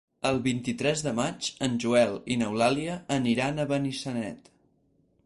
El vint-i-tres de maig en Joel i n'Eulàlia aniran a Benissanet.